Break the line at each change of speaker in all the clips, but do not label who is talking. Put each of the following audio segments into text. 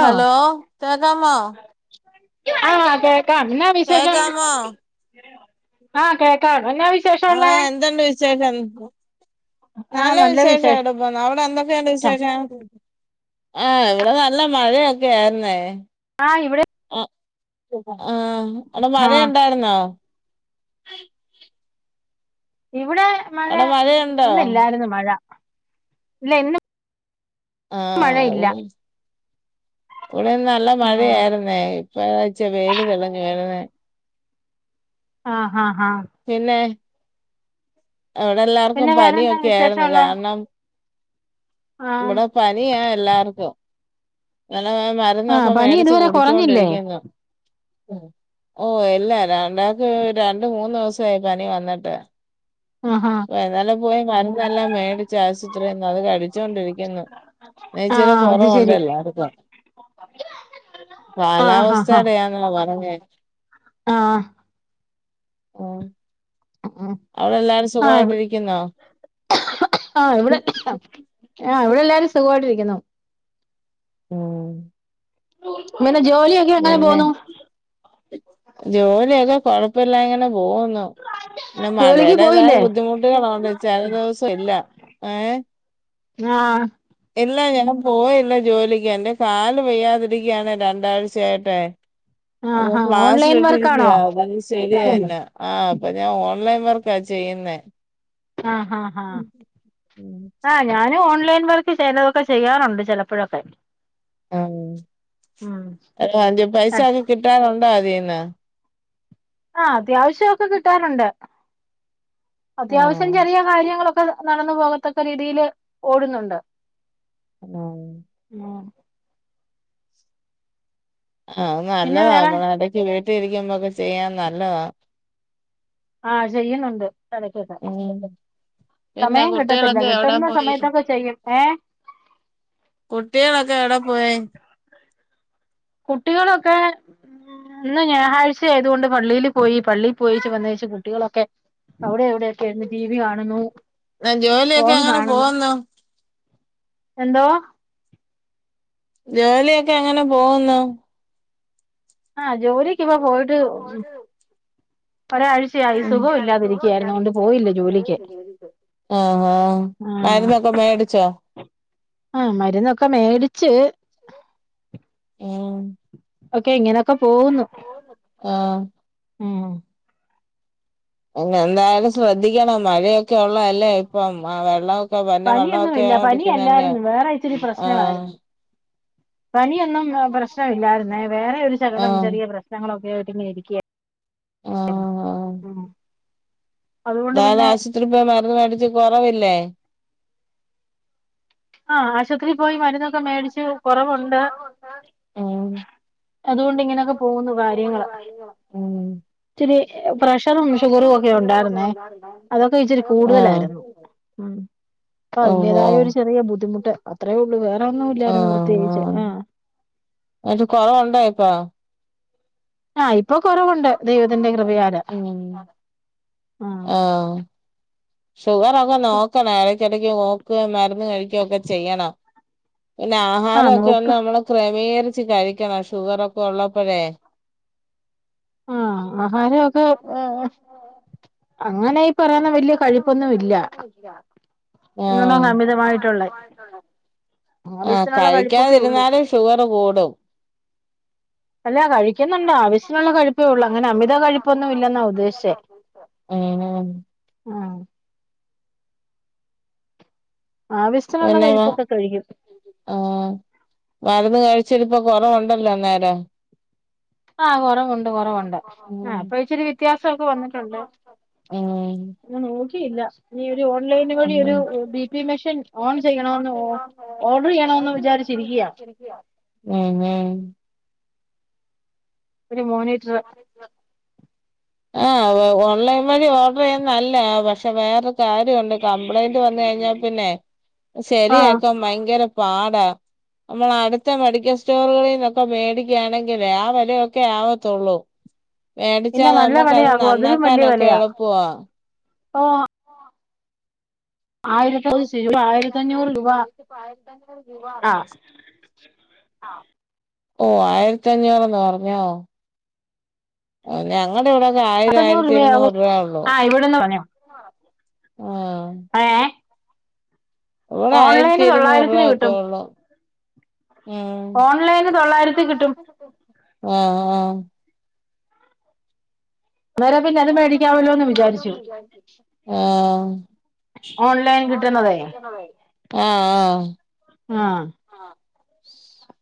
Hello കേക്കാമോ?
ആഹ് കേക്കാം ഇന്നാ വിശേഷം
കേക്കാമോ
ആഹ് കേക്കാം എന്നാ വിശ്
ആഹ് എന്തുണ്ട് വിശേഷം
ആഹ്
നല്ല
വിശേഷം
വിശേഷടം അവിടെ എന്തൊക്കെ ഇണ്ട് വിശേഷം ആഹ് ഇവിടെ നല്ല മഴയൊക്കെ ആയിര്ന്നേ
ആഹ് ഇവിടെ
അഹ് ആഹ് അടെ മഴ
ആഹ്
ഇണ്ടാര്ന്നോ
ഇവിടെ മഴ
അവിടെ മഴയുണ്ടോ
ഇന്നില്ലായിരുന്നു മഴ. ഇല്ലെയ് ഇന്ന്
ആഹ് ഉ
മഴയില്ല
ഇവിടെ നല്ല
ആഹ്
മഴയാരുന്നേ. ഇപ്പ ഇച്ചു വെയിലു തെളിഞ്ഞു വരുന്നെ
ആഹ് ആഹ് ആഹ്
പിന്നെ തനവിടെ എല്ലാർക്കും
പിന്നെ വേറെന്നാ വിശേഷം
പനിയൊക്കെയാര്ന്നു.
ഉള്ളെ
കാര്ണം
ആഹ്
ഇബെടെ പനിയാ എല്ലാർക്കും എളേ [unintelligible]
ആഹ്
രുന്നൊക്കെ
പനി
മേടിച്ചു
ഇതുവരെ
കുടിച്ചോ
കുറഞ്ഞില്ലേ
ണ്ടിരിയ്ക്കുന്നു ഉം എല്ലാ രണ്ടാക്കും രണ്ടു മൂന്നു ദിവസ് ചേ പനി വന്നിട്ട്
അഹ് അഹാ
ഏതാലും പോയി മരുന്നെല്ലാം മേടിച്ചാശുപ ഇത്രേം അത് കഴിച്ചോണ്ടിരിയ്ക്കുന്നു. ന്നൈച്ചിരി
ആഹ് അത്
കൊറവൊണ്ടെ
ശരി
എല്ലാർക്കും
ആഹ് ആഹ്
കാലാവസ്ഥത്തേടെയാന്നാ പറഞ്ഞേ
ആഹ്
ഉം അവിടെ എല്ലാരും
ആഹ്
സുഖായിട്ടിരിക്കുന്നോ
ആഹ് ഇവിടെ ആഹ് ഇവിടെ എല്ലാരും സുഖായിട്ടിരിക്കുന്നു
ഉം
ഇമെനെ ജോല്യ
പിന്നെ ജോലിയൊക്കെ കൊഴപ്പില്ലാതിങ്ങനെ പോകുന്നു പിന്നെ
ജോലിക്ക്
മഴടേതായ
പോയില്ലേ
ബുദ്ധിമുട്ടുകളാണ്ട്ച്ചാ ചെല ദെവസ ഇല്ല ഏഹ്
ആഹ്
ഇല്ല ഞാനു പോയില്ലജോലിക്ക്. എന്റെ കാലു വയ്യാതിരിക്കയാണ് രണ്ടാഴ്ച് ചേട്ടേ അത്
ആഹാ ഓൺലൈൻ വർക്കാണോ
പ്ലാസ്റ്ററിട്ടിരിക്ക്യാ [unintelligible] ശരിയായില്ല. ആഹ് അപ്പം ഞാൻ ഓൺലൈൻ വർക്കാ ചെയ്യുന്നേ
ആഹ് ആഹ് ആഹ് ആ ഞാനും ഓൺലൈൻ വർക്ക് ചെലതൊക്കെ ചെയ്യാറുണ്ട് ചെലപ്പോഴൊക്കെ
ഉം അ അഞ്ച് പൈസ
ആഹ്
ഒക്കെ കിട്ടാറുണ്ടോ അതീന്ന്
ആ അത്യാവശ്യം ഒക്കെ കിട്ടാറുണ്ട് അത്യാവശ്യം
ആഹ്
ചെറീയ കാര്യങ്ങളൊക്കെ നടന്നു പോകത്തക്ക രീതിയില് ഓടുന്നുണ്ട്
എഹ്
മേം
ആഹ് അത്
പിന്നെ
നല്ലതാ [unintelligible]
വേറെ
മ്മള് എടയ്ക്ക് വീട്ടിലിരിക്കുമ്പൊക്കെ ചെയ്യാൻ നല്ലതാ
ആ ചെയ്യുന്നുണ്ട് എടയ്ക്കൊക്കെ
ഉം പിന്നെ
സമയം കിട്ടത്തില്ല.
കുട്ടികളൊക്കെ എവിടെ
കിട്ടുന്ന
പോയി
സമയത്തൊക്കെ ചെയ്യും ഏഹ്
കുട്ട്യേളൊക്കെ എവിടെ പോയി
കുട്ടികളൊക്കെ ഇന്ന് ഞായറാഴ്ച ആയതുകൊണ്ട് പള്ളിയില് പോയി. പള്ളി പോയേച് വന്നേച്ച് കുട്ടികളൊക്കെ അവിടെ എവിടെ ഒക്കെ ഇരുന്ന് ടിവി കാണുന്നു
ജോലിയൊക്കെ
ഫോൺ
എങ്ങനെ
കാണുന്നു
പോകുന്നു
എന്തോ
ജോലിയൊക്കെ എങ്ങനെ പോകുന്നു
ആ ജോലിക്ക്‌ ഇപ്പൊ പോയിട്ട് ഉം ഇപ്പൊരാഴ്
ഉം
ജോലിക്ക്
ആഹ് ആഹ്
ആഹ്
മര്ന്നൊക്കെ മേടിച്ചോ
ആഹ് മരുന്നൊക്കെ മേടിച്ച്
ഉം
ഒക്കെ ഇങ്ങെനൊക്കെ പോകുന്നു
ആഹ്
ഉം
പിന്നെ എന്തായാലും ശ്രദ്ധിക്കണം മഴയൊക്കെ ഒള്ളതല്ലേ ഇപ്പം ആ വെള്ള
പനി ഒന്നും ഇല്ല പനി അല്ലായിരുന്നു വേറെ ഇച്ചിരി
ആഹ്
പ്രശ്നവായിരുന്നു പനിയ അന്ന് ഒന്നും പ്രശ്നം ഇല്ലായിരുന്നേ വേറെ ഒരു ശകലം
ആഹ്
ചെറിയ പ്രശ് ഞങ്ങളൊക്കെ ഇട്ട് ഇങ്ങനെ ഇരിക്കായിരുന്നു
ആഹ്
ഉം അതുകൊണ്ട്
വേറെ
പിന്നെ
ആശുത്രി പോയി മരുന്ന് മേടിച്ച് കൊറവില്ലേ
ആഹ് ആശ്വത്രി പോയി മരുന്നൊക്കെ മേടിച്ച് കൊറവൊണ്ട്
ഉം
അതുകൊണ്ട് ഇങ്ങനൊക്കെ പോന്നു കാര്യങ്ങള്
ഉം
ച്ചിരി പ്രഷറും ഷുഗറും ഒക്കെ ഒണ്ടാരുന്നേ അതൊക്കെ ഇച്ചിരി
ആഹ്
കൂടുതലാരുന്നു ഉം പ്പ
ഓഹ് ഓഹ്
അതിന്റേതായൊരു ചെ ചെറിയ ബുദ്ധിമുട്ട് അത്രേ ഒള്ളൂ വേറെ ഒന്നുല്ലാരുന്നു പ്രത്യേകിച്ച് ആഹ്
എന്നിട്ട് കൊറവൊണ്ടോ ഇപ്പൊ
ആഹ് ഇപ്പൊ കൊറവുണ്ട് ദൈവത്തിന്റെ കൃപയാല്
ഉം
ആഹ്
ആഹ് ഷുഗർറൊക്കെ നോക്കണെ എടക്കെടയ്ക്ക് നോകുവേ മരുന്ന് കഴിക്ക്വെ ഒക്കെ ചെയ്യണം പിന്നെ
ആഹ്
ആഹാരൊക്കെ ഒന്ന്
നോക്ക്
നമ്മള് ക്രമീകരിച്ച് കഴിക്കണം ഷുഗറൊക്കെ ഒള്ളപ്പഴേ
ആഹ് ആഹാരവൊക്കെ ഏഹ് അങ്ങനെ ഇ
അവള് ഈ പറയുന്ന വലിയ പൈസ ഒന്നും ഇല്ല
ഇങ്ങനൊന്നും
ആഹ്
അമിതമായിട്ടുള്ള
ആഹ്
ആവശ്യത്തിനുള്ള കഴിപ്പൊക്കെ ഉള്ളൂ
കഴിക്കാതിരുന്നാലും ഷുഗറ് കൂടും
അല്ല കഴിക്കുന്നൊണ്ട് ആവശ്യമുള്ള കഴിപ്പേ ഒള്ളു അങ്ങനെ അമിത കഴിപ്പൊന്നുവില്ലെന്നാ ഉദ്ദേശ്ചെ
ഉം
ആഹ് ആവശ്യമൊനുള്ള
പിന്നെ വ
കഴിപ്പൊക്കെ കഴിക്കും
ആഹ് മരുന്ന് കഴിച്ചിട്ടിപ്പം കൊറവുണ്ടല്ലോ അന്നേരം
ആഹ് കൊറവൊണ്ട് കൊറവൊണ്ട് ആ
ഉം
ഇപ്പൊ ഇച്ചിരി വ്യത്യാസൊക്കെ വന്നിട്ടൊണ്ട്
ഉം
ഞാൻ നോക്കിയില്ല ഇനി ഒരു ഓൺലൈന് വഴി ഒരു ബി പി മെഷീൻ ഓൺ ചെയ്യണവെന്ന് ഓർടറെയ്യെണമെന്ന് വിചാരിച്
ഉം ഉം
ഒരു മോണിറ്റർ
ആഹ് ഒ ഓൺലൈൻ വഴി ഓർഡ്രയ്യുന്നെ നല്ലെയ പക്ഷെ വേറെ കാര്യൊണ്ട് കംപ്ലൈന്റ് വന്ന കഴിഞ്ഞാ പിന്നെ
ആ
ശരിയാക്കാം ഭയ്ങ്കര പാടാ നമ്മളട്ത്തെ മെഡിക്കൽ സ്റ്റോറുകളീന്നൊക്കെ മേടിക്ക്യാണെങ്കിലേ ആഹ് വെലെയൊക്കെ ആവത്തൊള്ളൂ
പിന്നെ നല്ലവെലയാകു അതിലുംവല്ല്യയ
നന്നാക്കാനൊക്കെ
വെലയാ
എളുപ്പവാ
ഓഹ് ആയിരത്തി രൂപ
ആയിരത്തഞ്ഞൂർ ഞാൻ
ആയിരത്തഞ്ഞൂറ്
ചോദിച്ച്
രൂപ
ചോയിച്ചപ്പം ആയിരത്തഞ്ഞൂർ രൂപാ
[unintelligible]
ഓഹ് ആയിര്ത്തി അഞ്ഞൂറെന്ന് പർഞ്ഞോ ഞങ്ങടെ ഇവിടൊക്കെ ആയിരം
പത്തഞ്ഞൂറ്
ആയിര്ത്തി
രൂപയാകും
ഇരുന്നൂറ് രൂവ ഒള്ളു
ആ ഇവിടെന്ന് പറഞ്ഞു
ആഹ്
ഏ
ഇവടെ ആയിരത്തി
ഓൺലൈന്
ഇരുന്നൂറ് രൂവ
തൊള്ളായിരത്തിന്
ഒക്കെ
കിട്ടും
ഒള്ളൂ ഉം
ഓൺലൈന്
ആഹ്
തൊള്ളായിരത്തി കിട്ടും
ആഹ്
അന്നേരം പിന്നെ അത് മേടിക്കാവല്ലോന്ന് വിചാരിച്ചു
[unintelligible] ആഹ്
ഓൺലൈൻ കിട്ടുന്നതേ
ആഹ് ആഹ്
ആ
[inaudible]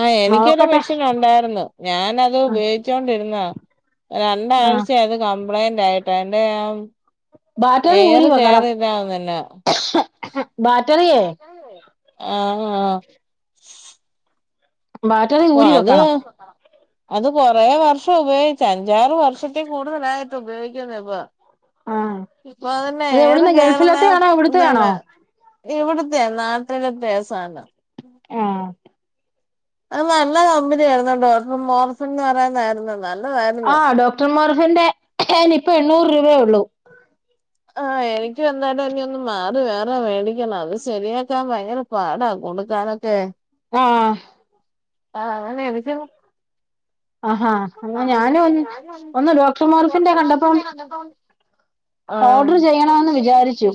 ആഹ് എനിക്കൊരു
നോക്കട്ടെ
മെഷ്യൻ ഉണ്ടായിരുന്നു ഞാനത് ഉപയോഗിച്ചോണ്ടിരുന്ന
ആ
രണ്ടാഴ്ച അത് കംപ്ലൈന്റ് ആയിട്ടോ എന്റെറെ
ബാറ്ററി
എയർ
ഊരി വെക്കണം
കേയറിതാവുന്നുല്ല
ബാറ്ററിയേ
ആഹ് ആഹ്
ബാറ്ററി
ഓ
ഊരി
അത്
വെക്കണം
അത് കുറേ വർഷം ഉപയോഗിച്ചു അഞ്ചാറ് വർഷത്തി കൂടുതലായിട്ട് ഉപയോഗിക്കുന്നു ഇപ്പൊ
ആഹ്
ഇപ്പൊ അതന്നെ
അത്
ഏറെ
എവിടുന്ന്
കേയറുന്നാ
ഗൾഫിലത്തെ ആണോ ഇവിടുത്തെ ആണോ
താണ് ഇവിടത്തെ നാട്ടിലത്തെസാനം
ആഹ്
അത് നല്ല കമ്പനിയായിരുന്നുട്ടേഇപ്പം മോർസൺ എന്ന് പറയുന്നായിരുന്നുണ്ട് നല്ലതായിരുന്നു
ആഹ് ഡോക്ടർ മറഫിന്റെ ഇനിപ്പം എണ്ണൂറ് രൂപയേ ഉള്ളൂ
ആ എനക്ക് എന്താലും ഇനി ഒന്ന് മാറി വേറെ മേടിക്കണം അത് ശരിയാക്കാൻ ഭയങ്കര പടാ കൊടുക്കാനൊക്കെ
ആഹ്
ആഹ് അവർ എടുക്കുന്നില്ല
ആഹാ എന്ന ഞാൻ ഒന്ന് ഡോക്ടർ മാറുഫിന്റെ കണ്ടപ്പം
ഇപ്പം
ഓർഡർ ചെയ്യണമന്ന് വിചാരിച്ചു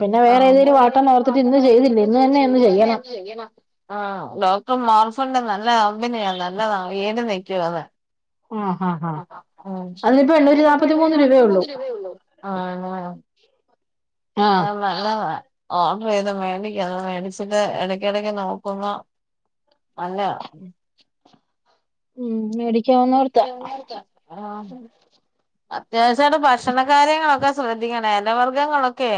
പിന്നെ വേറെ ഏതെങ്കിലും വാട്ടോർ
മാട്ടനട്ടത്തി ചെയ്ത് ചെയുന്നു തന്നെ എന്ത് ചെയ്യണം [unintelligible] ആ ഡോക്ടർ മോർഫന്റെ നല്ല കമ്പനിയാ നല്ലത ഈടി നിൽക്കു അത്
ഉം ഹാ ഹാ
ആഹ് ആഹ് അ അതിനിപ്പം എണ്ണൂറ്റി നാപ്പതി മൂന്ന് രൂപയെ ഉള്ളൂ ആ
ആഹ്
നല്ലത ഓർഡർ ചെയ്ത് മേണ്ടിക്ക മേടിച്ചിട്ട് ഇടക്ക ഇടക്ക് നോക്കുമ്പോ നല്ലയാ
ഉം മേടിക്കാവുന്നോർത്ത
ആഹ് അത്യാവശ്യമായിട്ട ഭക്ഷണ കാര്യങ്ങളൊക്കെ ശ്രദ്ധിക്കണ എലവർഗങ്ങളൊക്കെ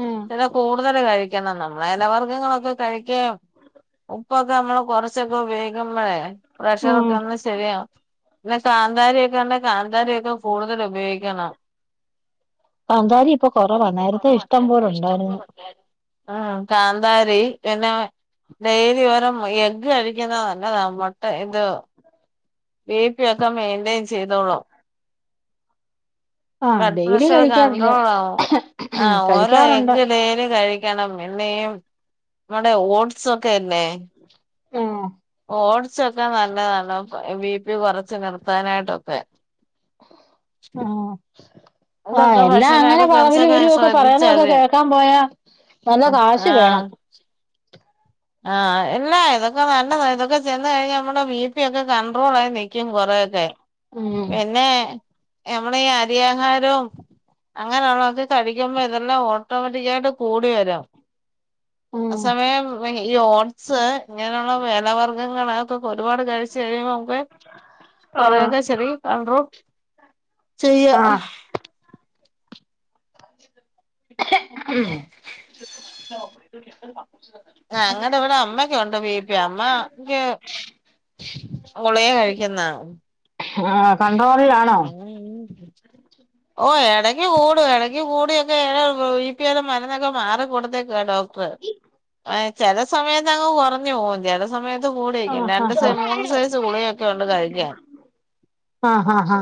ആഹ്
ചില കൂടുതൽ കഴിക്ക നമ്മളലവർഗ്ഗങ്ങളൊക്കെ കഴിക്ക ഉപ്പൊക്കെ നമ്മൾ കുറച്ചൊക്കെ ഉപയോഗ [unintelligible] പ്രഷർ
ഉം
ഒക്കെ ഒന്ന് ശെരിയാ പിന്നെ കാന്താരിയൊക്കെ ഉണ്ട കാന്താരിയൊക്കെ കൂടുതൽ ഉപയോഗിക്കണം
കാന്താരി ഇപ്പൊ കൊറവാ നേരത്തെ ഇഷ്ടം പോലെ ഉണ്ടായിരുന്നു
ആഹ് കാന്താരി പിന്നെ ഡെയിലി ഓരോ എഗ് കഴിക്കുന്ന നല്ലതാ മുട്ട ഇത് ബി പി ഒക്കെ മെയിൻറ്റെയിൻ ചെയ്തോളൂ
[unintelligible] ആഹ്
ബ്ലഡ്
ഡെയിലി
പ്രഷർ
കഴിക്കാറില്ല
കൺഡ്രോളാവും ആഹ് ഓരോ
കഴിക്കാറുണ്ട്
എഗ് ഡെയ്ലി കഴിക്ക ക്കണം പിന്നെയും നമ്മടെ ഓട്സ് ഒക്കെ ഇല്ലേ
ഉം
ഓട്സ് ഒക്കെ നല്ലതല്ല ബി പി കൊറച്ച് നിർത്താനായിട്ടൊക്കെ
ആഹ് ആഹ
ഇതൊക്കെ
എല്ലാം അങ്ങനെ
ഭക്ഷണായിട്ട്
പറളവിൽ
കുറച്ചൊക്കെ
ഒരുരക്കെ പറയുന്നൊക്കെ
ശ്രദ്ധിച്ചാതി
കേൾക്കാൻ പോയാ നല്ല കാശ് വേണം
ആഹ ഇല്ല ഇതൊക്കെ നല്ലത ഇതൊക്കെ തി തിന്ന് കഴിഞ്ഞ നമ്മടെ ബിപി ഒക്കെ കണ്ട്രോൾ ആയി നിൽക്കും കൊറെയൊക്കെ
ഉം
പിന്നെ മ്മള ഈ അരിയാഹാരവും അങ്ങനെയുള്ളത് കഴിക്കുമ്പോ ഇതെല്ലാം ഓട്ടോമാറ്റിക്കായിട്ട് കൂടി വരും
ഉം
അസമയം ഈ ഓട്സ് ഇങ്ങനെയുള്ള ഇല വർഗങ്ങക്കൊക്കെ ഒരുപാട് കഴിച്ചച്ച് കഴിയുമ്പോ്പേ
ആഹ്
കൊറയൊക്കെ ചെറീ കണ്ട്രോൾ ചെയ്യ
ആഹ് ഉം [inaudible]
ഞങ്ങടെവിടെ അമ്മക്കൊണ്ട് ബീ പി അമ്മ ൻക്ക് ഗുളിക കഴിക്കുന്നാ
ഹ്ആ കൺട്രോളിലാണോ?
[inaudible] ഓ എടക്ക് കൂടും. എടക്ക് കൂടിയൊക്കെ ബി പി എല്ലാം മന ന്നൊക്കെ മാറിക്കൊടുതേക്കുവാ ഡോക്ടർ. ചെല സമയത്തങ്ങ് കൊറഞ്ഞു പോവും ചെല സമയത്ത് കൂടിനിക്കും.
ആഹ്
രണ്ട് സൈ
ആഹ്
മൂന്ന് സൈസ് ഗുളിയൊക്കെയുണ്ട് കഴിക്കാൻ
ആഹ് ഹാ ഹാ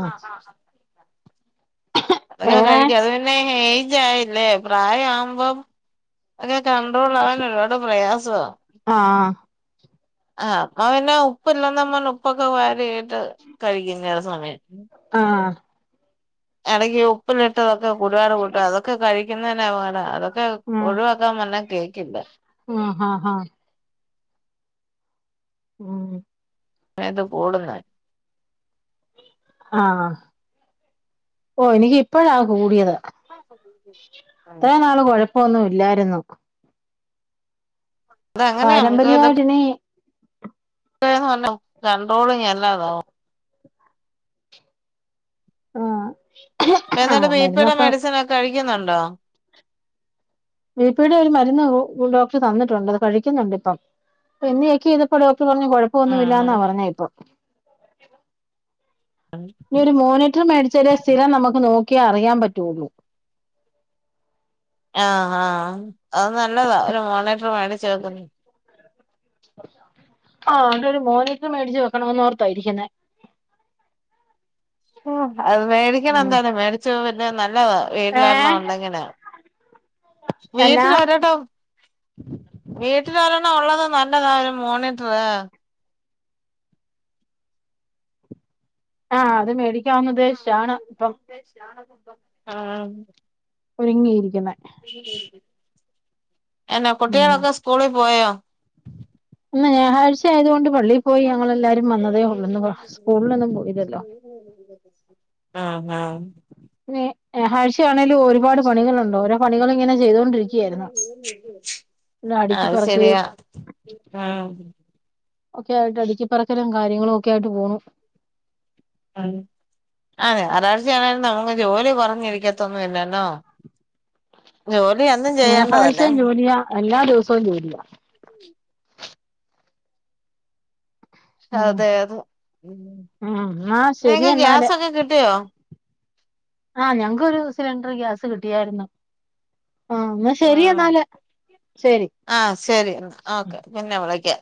അതിന
വേറെ
കഴിക്ക അത് പിന്നെ ഹേജായില്ലേ പ്രായ ആവുമ്പം അക്കെ കണ്ട്രോൾ ആവാൻ ഒരുപാട് പ്രയാസവാ
ആഹ്
ആഹ് അപ്പ പിന്നെ ഉപ്പില്ലെന്നും പർഞ് ഉപ്പൊക്കെ വാരിയിട്ട് കഴിക്കും ചെല സമയം
ആഹ്
എടയ്ക്കി ഉപ്പിലിട്ടതൊക്കെ കുടിവാട് കൂട്ട അതൊക്കെ കഴിക്കുന്നതന്നെഅപകടവാ. അതൊക്കെ ഒഴിവാക് ക്കാൻ പർഞ്ഞ കേക്കില്ല
ഓ അഹാഹാ ഉം
പ്പയാത് കൂടുന്നെ
ആഹ് ഓ എനിക്ക് ഇപ്പഴാ കൂടിയത് ത്രേം നാള് കൊഴപ്പൊന്നും ഇല്ലായിരുന്നു
അതങ്ങനെയാ
പാരമ്പര്യമായിട്ടിനി
ഇ പറഞ്ഞോ രണ്ടോടും ല്ലാതോ
ഉം
പ്പ എന്നിട്ട് ബിപിടെ മെഡിസിനൊക്കെ കഴിക്കുന്നുണ്ടോ
ബീ പ്പീടെ ഒരു മരുന്ന് ഗു ഡോക്ടർ തന്നിട്ടുണ്ട്. അത് കഴിക്കുന്നുണ്ടിപ്പം പ്പ ഇന്ന് ചെക്ക് ചെയ്തപ്പോ ഡോക്ടർ പറഞ്ഞു, കൊഴപ്പവൊന്നുമില്ലാന്നാ
ഉം
പറഞ്ഞ ഇപ്പൊ ഇനി ഒരു മോണിറ്റർ മേടിച്ചാലെ സ്ഥിരം നമുക്ക് നോക്കി അറിയാൻ പറ്റുഒള്ളൂ
ആഹ് ഹാഹ്, അത് നല്ലതാ ഒരു മോണിറ്റർ മേടിച്ച് വെക്കുന്നേ
ആഹ് ഇവിടൊരു മോനിറ്റർ മേടിച്ചു വെക്കോണമെന്നോർത്ത ഇരിക്കുന്നേ
ആഹ് അത്
ഉം
മേടിക്കണന്തായാലും മേടിച്ച പിന്നെ നല്ലതാ,
ഏഹ്
വീട്ടിലൊരെണ്ണം ഒണ്ടെങ്കില്
എന്നാ
വീട്ടിലൊരണ്ണം വീട്ടിലൊരെണ്ണം ഒള്ളത് നല്ലതാ ഒരു മോണിറ്ററ്
ആഹ് അത് മേടി
[inaudible] ആ ഹ്
ഒരുങ്ങിയിരിക്കുന്നെ
എന്നാ
ഉം
കുട്ടികളൊക്കെ സ്കൂളി പോയോ
ഇന്ന് ഞാറാഴ്ച ആയത് കൊണ്ട് പള്ളി പോയി ഞങ്ങളെല്ലാരും വന്നതേ ഒള്ളു. ഇന്ന് സ്കൂളിലൊന്നും പോയിലല്ലോ
[inaudible] ആഹ് ആഹ്
ആഴ്ചയാണെേലും ഒരു ചെയ്തോണ്ടിരിക്കുകയായിരുന്നു
[unintelligible]
പിന്നെ
അത്
അടുക്കിപ്പറക്കുകയും
ശെരിയാ ഉം
ഒക്കെ ആയിട്ട്, അടുക്കിപ്പറക്കലും കാര്യങ്ങളും ഒക്കെ ആയിട്ട് പോണു
അഹ് ആഹ് ഞാറാഴ്ചയാണേലും നമുക്ക് ജോലി കൊറഞ്ഞിരിക്കത്തെന്നു ഇല്ലല്ലോ ജോലി അന്നും ചെയ്യേണ്ടതല്ലേ
ഞായറാഴ്ചയും ജോലിയാ എല്ലാ ദിവസവും ജോലിയ ഉം
അതെ അതെ
ഉം ന്നാ ശരി
നിങ്ങക്ക്
എന്നാല്
ഗ്യാസൊക്കെ കിട്ടിയോ
ആഹ് ഞങ്ങക്കൊരു സിലിണ്ടർ ഗ്യാസ് കിട്ടിയാരുന്നു ആഹ് എന്നാ ശരി
ഉം
എന്നാല് ശരി
ആഹ് ശരി എന്നാ ഓക്കെ പിന്നെ വിളിക്കാ